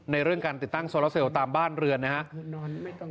เรื่องการติดตั้งโซลาเซลตามบ้านเรือนนะครับ